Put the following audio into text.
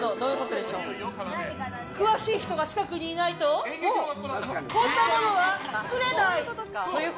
詳しい人が近くにいないと、こんなものはつくれない！